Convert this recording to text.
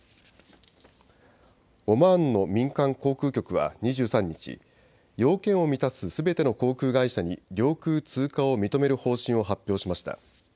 オマーンの民間航空局は２３日、要件を満たすすべての航空会社に領空通過を認める方針を発表しました。